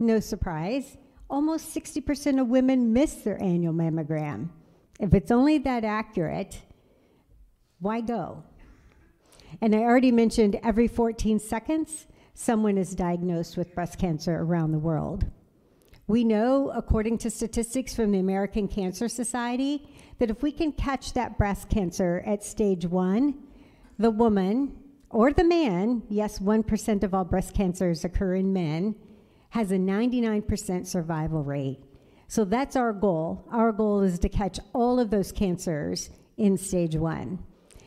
No surprise, almost 60% of women miss their annual mammogram. If it's only that accurate, why go? And I already mentioned every 14 seconds, someone is diagnosed with breast cancer around the world. We know, according to statistics from the American Cancer Society, that if we can catch that breast cancer at stage one, the woman or the man (yes, 1% of all breast cancers occur in men) has a 99% survival rate. So that's our goal. Our goal is to catch all of those cancers in stage one.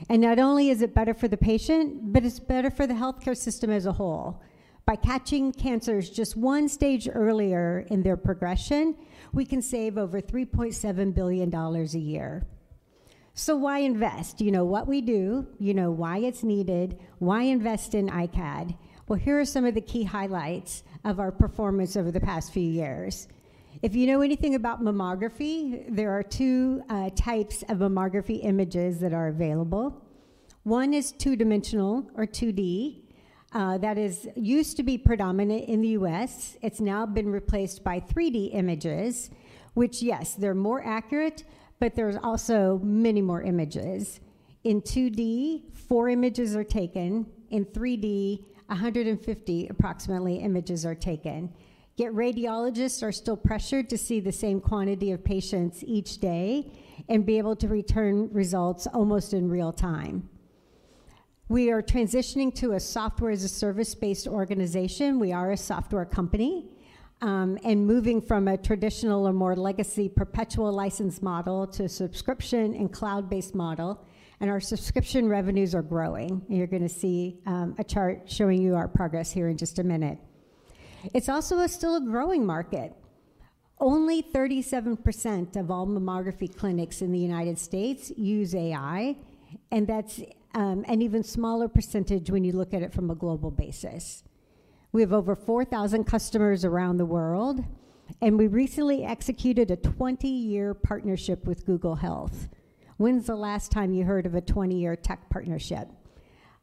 And not only is it better for the patient, but it's better for the healthcare system as a whole. By catching cancers just one stage earlier in their progression, we can save over $3.7 billion a year. So why invest? You know what we do, you know why it's needed. Why invest in iCAD? Here are some of the key highlights of our performance over the past few years. If you know anything about mammography, there are two types of mammography images that are available. One is two-dimensional or 2D. That used to be predominant in the U.S. It's now been replaced by 3D images, which, yes, they're more accurate, but there's also many more images. In 2D, four images are taken. In 3D, 150 approximately images are taken. Yet radiologists are still pressured to see the same quantity of patients each day and be able to return results almost in real time. We are transitioning to a software-as-a-service-based organization. We are a software company and moving from a traditional or more legacy perpetual license model to a subscription and cloud-based model, and our subscription revenues are growing. You're going to see a chart showing you our progress here in just a minute. It's also still a growing market. Only 37% of all mammography clinics in the United States use AI, and that's an even smaller percentage when you look at it from a global basis. We have over 4,000 customers around the world, and we recently executed a 20-year partnership with Google Health. When's the last time you heard of a 20-year tech partnership?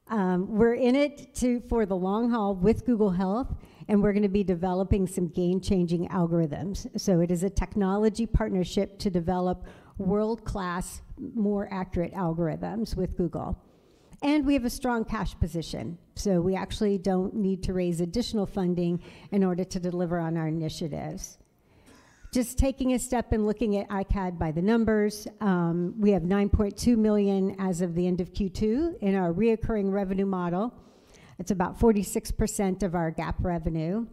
We're in it for the long haul with Google Health, and we're going to be developing some game-changing algorithms. So it is a technology partnership to develop world-class, more accurate algorithms with Google. And we have a strong cash position, so we actually don't need to raise additional funding in order to deliver on our initiatives. Just taking a step and looking at iCAD by the numbers, we have $9.2 million as of the end of Q2 in our recurring revenue model. It's about 46% of our GAAP revenue.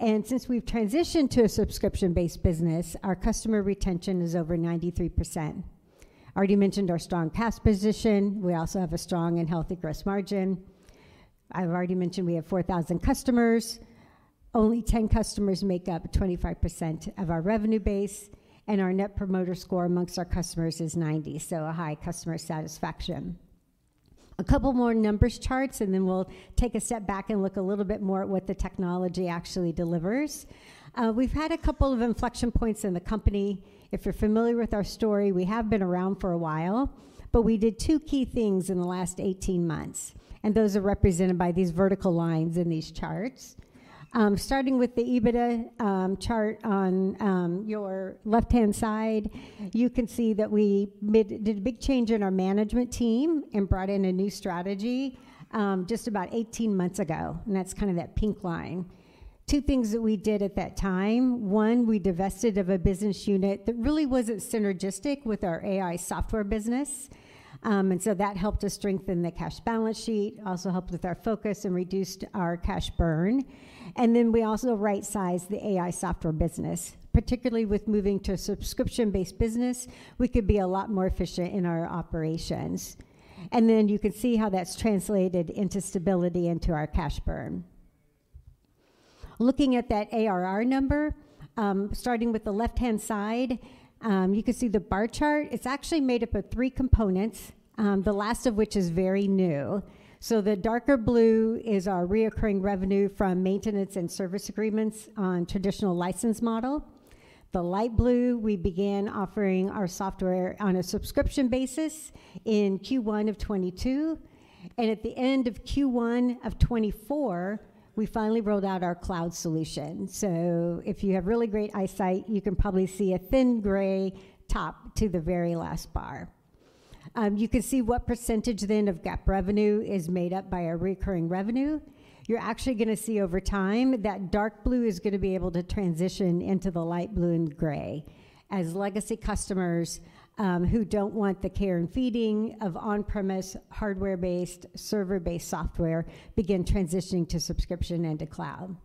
And since we've transitioned to a subscription-based business, our customer retention is over 93%. I already mentioned our strong cash position. We also have a strong and healthy gross margin. I've already mentioned we have 4,000 customers. Only 10 customers make up 25% of our revenue base, and our Net Promoter Score amongst our customers is 90, so a high customer satisfaction. A couple more numbers, charts, and then we'll take a step back and look a little bit more at what the technology actually delivers. We've had a couple of inflection points in the company. If you're familiar with our story, we have been around for a while, but we did two key things in the last 18 months, and those are represented by these vertical lines in these charts. Starting with the EBITDA chart on your left-hand side, you can see that we did a big change in our management team and brought in a new strategy just about 18 months ago, and that's kind of that pink line. Two things that we did at that time. One, we divested of a business unit that really wasn't synergistic with our AI software business, and so that helped us strengthen the cash balance sheet, also helped with our focus and reduced our cash burn, and then we also right-sized the AI software business. Particularly with moving to a subscription-based business, we could be a lot more efficient in our operations, and then you can see how that's translated into stability and to our cash burn. Looking at that ARR number, starting with the left-hand side, you can see the bar chart. It's actually made up of three components, the last of which is very new, so the darker blue is our recurring revenue from maintenance and service agreements on a traditional license model. The light blue, we began offering our software on a subscription basis in Q1 of 2022, and at the end of Q1 of 2024, we finally rolled out our cloud solution, so if you have really great eyesight, you can probably see a thin gray top to the very last bar. You can see what percentage then of GAAP revenue is made up by our recurring revenue. You're actually going to see over time that dark blue is going to be able to transition into the light blue and gray as legacy customers who don't want the care and feeding of on-premise hardware-based, server-based software begin transitioning to subscription and to cloud.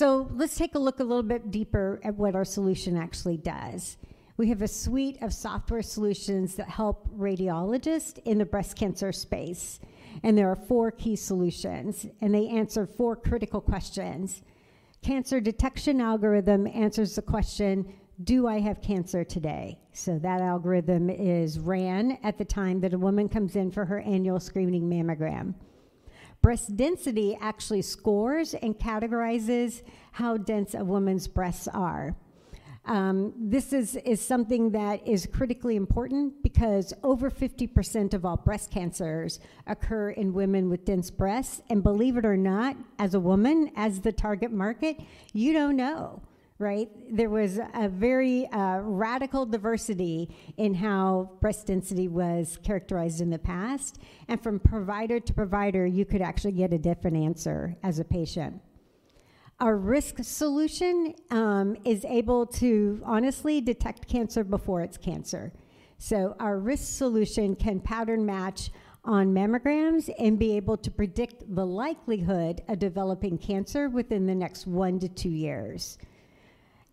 Let's take a look a little bit deeper at what our solution actually does. We have a suite of software solutions that help radiologists in the breast cancer space, and there are four key solutions, and they answer four critical questions. Cancer detection algorithm answers the question, "Do I have cancer today?" So that algorithm is ran at the time that a woman comes in for her annual screening mammogram. Breast density actually scores and categorizes how dense a woman's breasts are. This is something that is critically important because over 50% of all breast cancers occur in women with dense breasts. And believe it or not, as a woman, as the target market, you don't know, right? There was a very radical diversity in how breast density was characterized in the past. And from provider to provider, you could actually get a different answer as a patient. Our risk solution is able to honestly detect cancer before it's cancer, so our risk solution can pattern match on mammograms and be able to predict the likelihood of developing cancer within the next one to two years,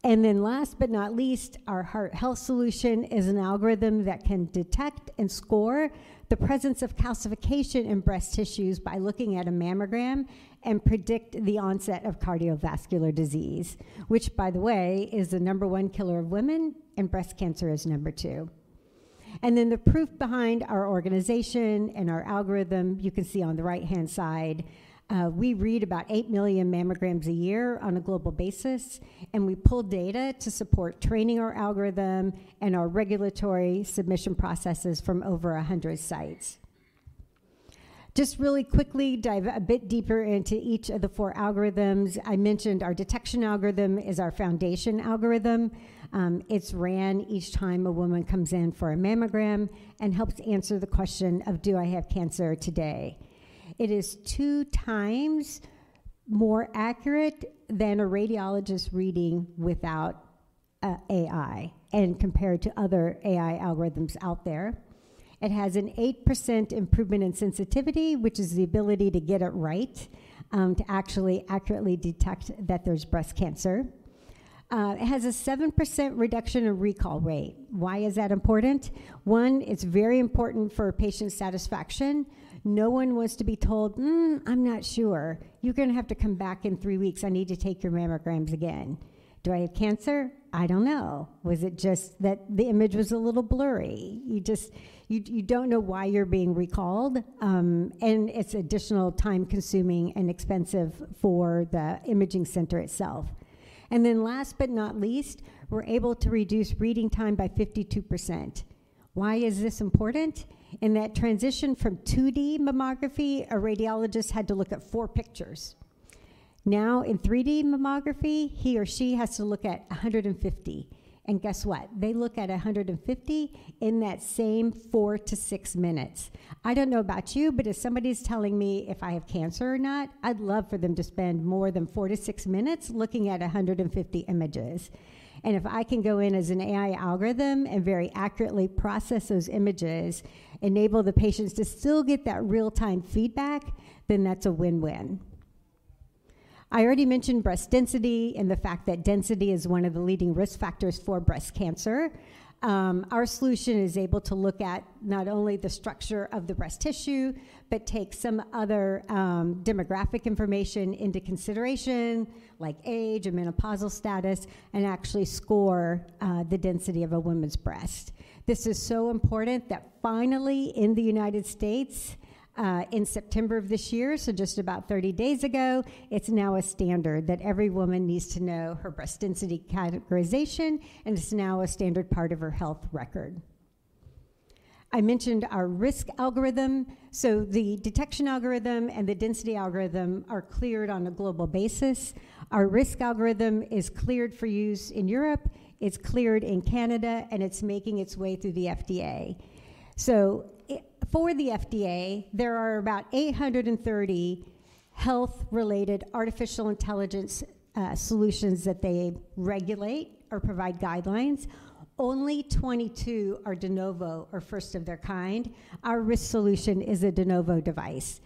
and then last but not least, our heart health solution is an algorithm that can detect and score the presence of calcification in breast tissues by looking at a mammogram and predict the onset of cardiovascular disease, which, by the way, is the number one killer of women, and breast cancer is number two, and then the proof behind our organization and our algorithm you can see on the right-hand side, we read about eight million mammograms a year on a global basis, and we pull data to support training our algorithm and our regulatory submission processes from over 100 sites. Just really quickly dive a bit deeper into each of the four algorithms. I mentioned our detection algorithm is our foundation algorithm. It's ran each time a woman comes in for a mammogram and helps answer the question of, "Do I have cancer today?" It is two times more accurate than a radiologist reading without AI and compared to other AI algorithms out there. It has an 8% improvement in sensitivity, which is the ability to get it right, to actually accurately detect that there's breast cancer. It has a 7% reduction in recall rate. Why is that important? One, it's very important for patient satisfaction. No one wants to be told, "I'm not sure. You're going to have to come back in three weeks. I need to take your mammograms again." Do I have cancer? I don't know. Was it just that the image was a little blurry? You don't know why you're being recalled, and it's additional time-consuming and expensive for the imaging center itself, and then last but not least, we're able to reduce reading time by 52%. Why is this important? In that transition from 2D mammography, a radiologist had to look at four pictures. Now in 3D mammography, he or she has to look at 150, and guess what? They look at 150 in that same four to six minutes. I don't know about you, but if somebody's telling me if I have cancer or not, I'd love for them to spend more than four to six minutes looking at 150 images, and if I can go in as an AI algorithm and very accurately process those images, enable the patients to still get that real-time feedback, then that's a win-win. I already mentioned breast density and the fact that density is one of the leading risk factors for breast cancer. Our solution is able to look at not only the structure of the breast tissue, but take some other demographic information into consideration, like age and menopausal status, and actually score the density of a woman's breast. This is so important that finally in the United States, in September of this year, so just about 30 days ago, it's now a standard that every woman needs to know her breast density categorization, and it's now a standard part of her health record. I mentioned our risk algorithm. So the detection algorithm and the density algorithm are cleared on a global basis. Our risk algorithm is cleared for use in Europe. It's cleared in Canada, and it's making its way through the FDA. For the FDA, there are about 830 health-related artificial intelligence solutions that they regulate or provide guidelines. Only 22 are De novo or first of their kind. Our risk solution is a De Novo device,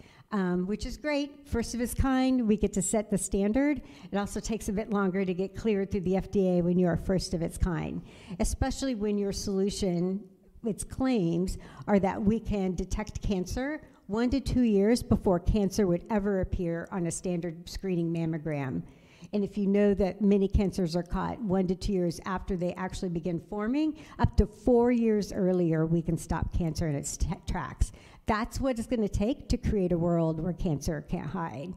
which is great. First of its kind, we get to set the standard. It also takes a bit longer to get cleared through the FDA when you are first of its kind, especially when your solution, its claims, are that we can detect cancer one to two years before cancer would ever appear on a standard screening mammogram. And if you know that many cancers are caught one to two years after they actually begin forming, up to four years earlier, we can stop cancer in its tracks. That's what it's going to take to create a world where cancer can't hide.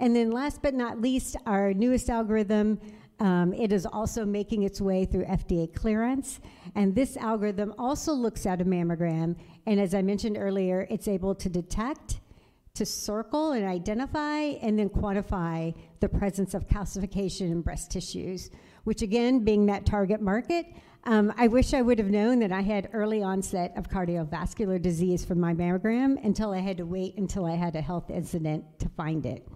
And then, last but not least, our newest algorithm, it is also making its way through FDA clearance. And this algorithm also looks at a mammogram. And as I mentioned earlier, it's able to detect, to circle and identify, and then quantify the presence of calcification in breast tissues, which, again, being that target market, I wish I would have known that I had early onset of cardiovascular disease from my mammogram until I had to wait until I had a health incident to find it.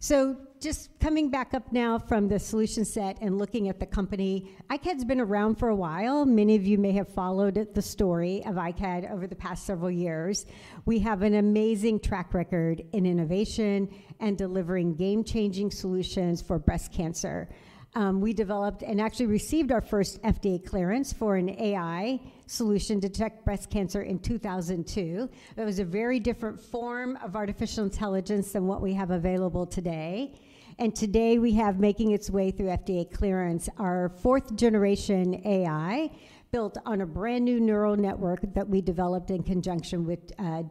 So just coming back up now from the solution set and looking at the company, iCAD has been around for a while. Many of you may have followed the story of iCAD over the past several years. We have an amazing track record in innovation and delivering game-changing solutions for breast cancer. We developed and actually received our first FDA clearance for an AI solution to detect breast cancer in 2002. That was a very different form of artificial intelligence than what we have available today. And today we have making its way through FDA clearance, our fourth-generation AI built on a brand new neural network that we developed in conjunction with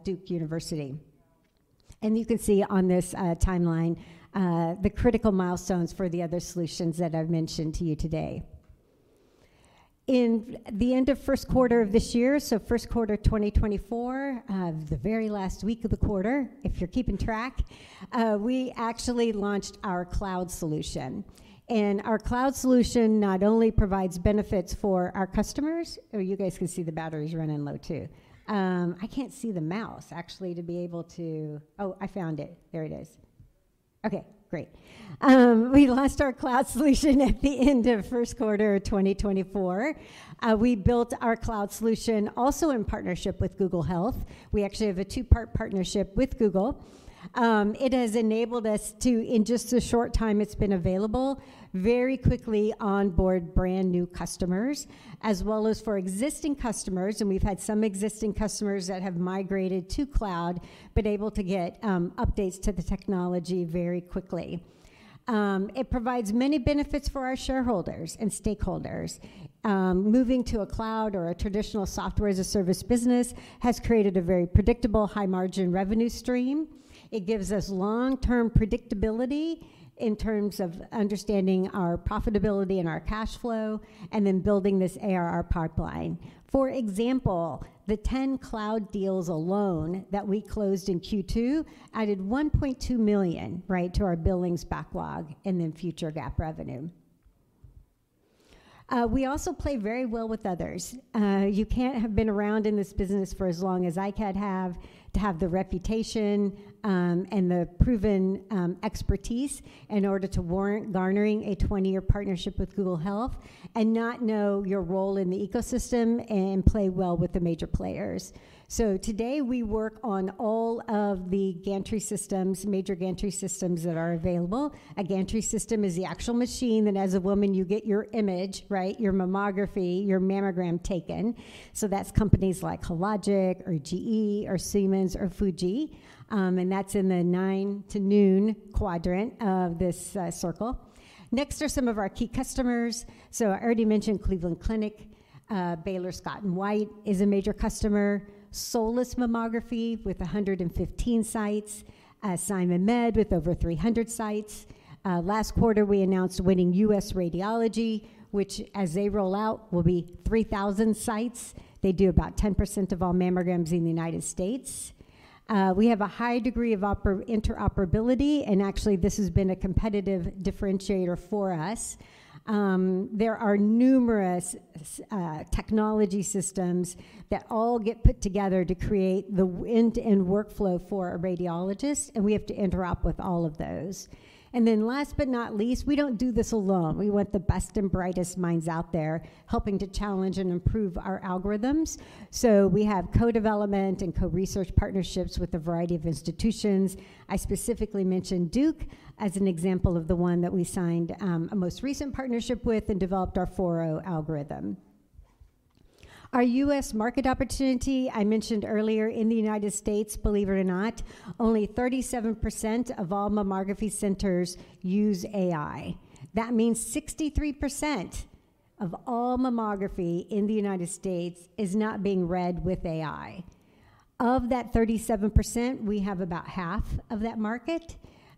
Duke University. And you can see on this timeline the critical milestones for the other solutions that I've mentioned to you today. In the end of first quarter of this year, so first quarter 2024, the very last week of the quarter, if you're keeping track, we actually launched our cloud solution. And our cloud solution not only provides benefits for our customers, or you guys can see the batteries running low too. I can't see the mouse, actually, to be able to - oh, I found it. There it is. Okay, great. We launched our cloud solution at the end of first quarter of 2024. We built our cloud solution also in partnership with Google Health. We actually have a two-part partnership with Google. It has enabled us to, in just a short time, it's been available very quickly onboard brand new customers, as well as for existing customers. And we've had some existing customers that have migrated to cloud, been able to get updates to the technology very quickly. It provides many benefits for our shareholders and stakeholders. Moving to a cloud or a traditional software as a service business has created a very predictable high-margin revenue stream. It gives us long-term predictability in terms of understanding our profitability and our cash flow, and then building this ARR pipeline. For example, the 10 cloud deals alone that we closed in Q2 added $1.2 million, right, to our billings backlog and then future GAAP revenue. We also play very well with others. You can't have been around in this business for as long as iCAD have to have the reputation and the proven expertise in order to warrant garnering a 20-year partnership with Google Health and not know your role in the ecosystem and play well with the major players. So today we work on all of the gantry systems, major gantry systems that are available. A gantry system is the actual machine that, as a woman, you get your image, right, your mammography, your mammogram taken. So that's companies like Hologic or GE or Siemens or Fuji. And that's in the 9:00 A.M. to noon quadrant of this circle. Next are some of our key customers. So I already mentioned Cleveland Clinic. Baylor Scott and White is a major customer. Solis Mammography with 115 sites. SimonMed with over 300 sites. Last quarter, we announced winning US Radiology, which, as they roll out, will be 3,000 sites. They do about 10% of all mammograms in the United States. We have a high degree of interoperability, and actually this has been a competitive differentiator for us. There are numerous technology systems that all get put together to create the end-to-end workflow for a radiologist, and we have to interop with all of those. And then last but not least, we don't do this alone. We want the best and brightest minds out there helping to challenge and improve our algorithms. So we have co-development and co-research partnerships with a variety of institutions. I specifically mentioned Duke as an example of the one that we signed a most recent partnership with and developed our 4.0 algorithm. Our US market opportunity, I mentioned earlier, in the United States, believe it or not, only 37% of all mammography centers use AI. That means 63% of all mammography in the United States is not being read with AI. Of that 37%, we have about half of that market.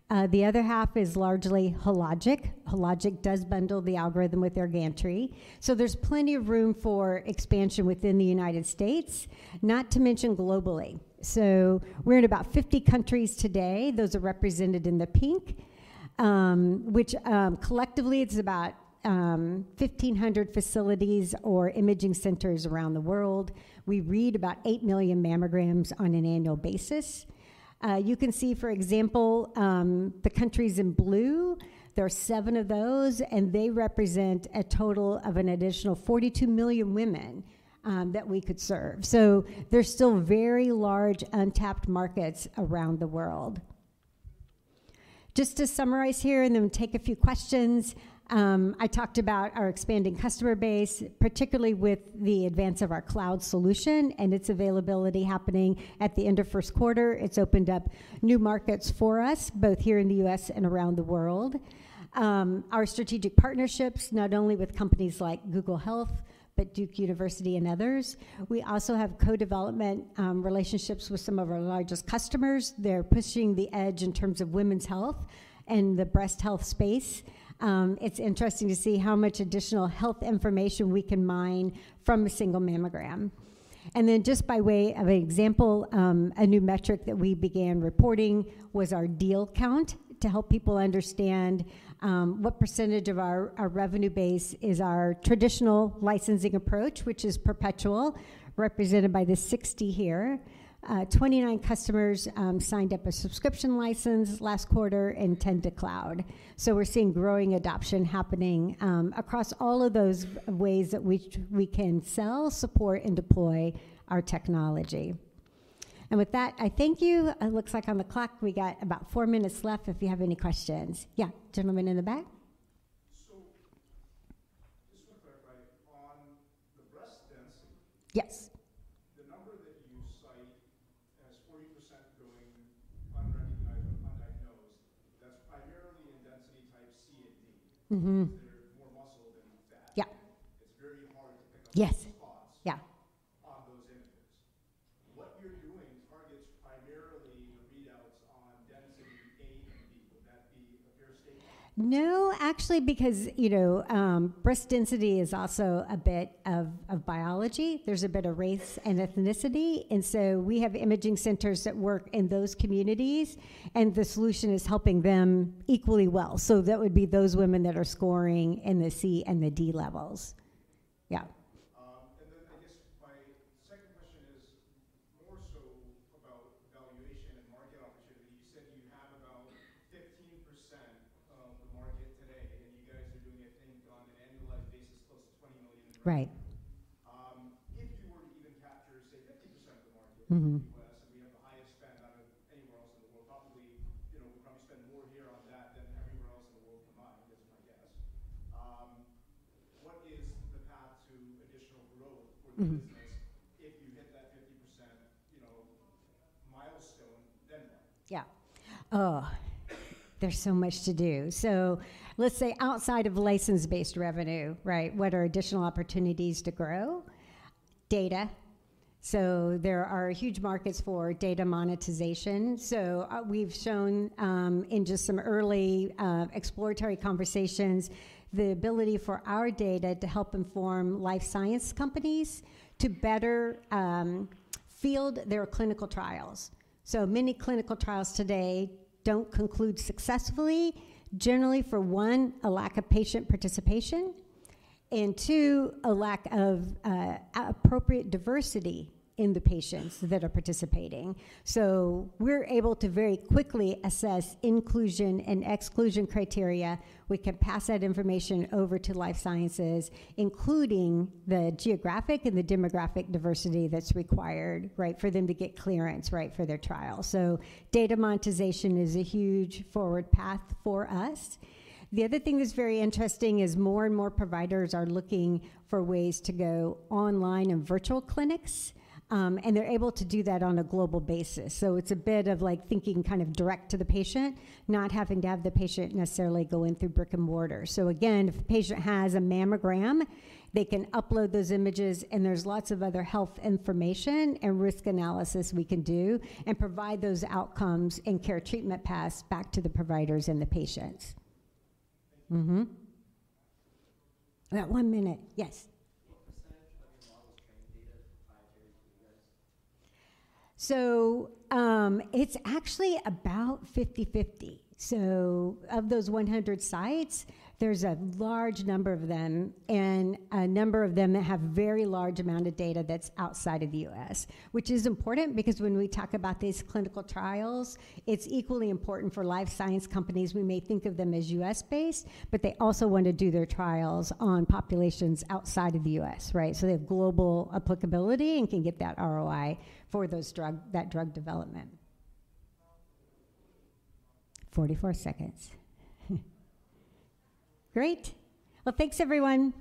The other half is largely Hologic. Hologic does bundle the algorithm with their gantry. So there's plenty of room for expansion within the United States, not to mention globally. So we're in about 50 countries today. Those are represented in the pink, which collectively it's about 1,500 facilities or imaging centers around the world. We read about 8 million mammograms on an annual basis. You can see, for example, the countries in blue. There are seven of those, and they represent a total of an additional 42 million women that we could serve. So there's still very large untapped markets around the world. Just to summarize here and then take a few questions, I talked about our expanding customer base, particularly with the advance of our cloud solution and its availability happening at the end of first quarter. It's opened up new markets for us, both here in the U.S. and around the world. Our strategic partnerships, not only with companies like Google Health, but Duke University and others. We also have co-development relationships with some of our largest customers. They're pushing the edge in terms of women's health and the breast health space. It's interesting to see how much additional health information we can mine from a single mammogram. And then just by way of an example, a new metric that we began reporting was our deal count to help people understand what percentage of our revenue base is our traditional licensing approach, which is perpetual, represented by the 60 here. 29 customers signed up a subscription license last quarter and 10 to cloud. So we're seeing growing adoption happening across all of those ways that we can sell, support, and deploy our technology. And with that, I thank you. It looks like on the clock we got about four minutes left if you have any questions. Yeah, gentlemen in the back. So just want to clarify on the breast density. Yes. The number that you cite as 40% going unrecognized or undiagnosed, that's primarily in density type C and D. There's more muscle than fat. It's very hard to pick up those spots on those images. What you're doing targets primarily the readouts on density A and D. Would that be a fair statement? No, actually, because breast density is also a bit of biology. There's a bit of race and ethnicity. And so we have imaging centers that work in those communities, and the solution is helping them equally well. So that would be those women that are scoring in the C and the D levels. Yeah. Then I guess my second question is more so about valuation and market opportunity. You said you have about 15% of the market today, and you guys are doing a thing on an annualized basis close to $20 million in the market. If you were to even capture, say, 50% of the market in the US, and we have the highest spend out of anywhere else in the world, probably we spend more here on that than everywhere else in the world combined, is my guess. What is the path to additional growth for the business if you hit that 50% milestone, then what? Yeah. Oh, there's so much to do. So let's say outside of license-based revenue, right, what are additional opportunities to grow? Data. So there are huge markets for data monetization. So we've shown in just some early exploratory conversations the ability for our data to help inform life science companies to better field their clinical trials. So many clinical trials today don't conclude successfully, generally for one, a lack of patient participation, and two, a lack of appropriate diversity in the patients that are participating. So we're able to very quickly assess inclusion and exclusion criteria. We can pass that information over to life sciences, including the geographic and the demographic diversity that's required, right, for them to get clearance, right, for their trial. So data monetization is a huge forward path for us. The other thing that's very interesting is more and more providers are looking for ways to go online and virtual clinics, and they're able to do that on a global basis. So it's a bit of like thinking kind of direct to the patient, not having to have the patient necessarily go in through brick and mortar. So again, if a patient has a mammogram, they can upload those images, and there's lots of other health information and risk analysis we can do and provide those outcomes and care treatment paths back to the providers and the patients. Thank you. That one minute. Yes. What percentage of your model's training data is proprietary to you guys? It's actually about 50/50. Of those 100 sites, there's a large number of them, and a number of them have very large amounts of data that's outside of the US, which is important because when we talk about these clinical trials, it's equally important for life science companies. We may think of them as US-based, but they also want to do their trials on populations outside of the US, right? So they have global applicability and can get that ROI for that drug development. Great. Well, thanks, everyone.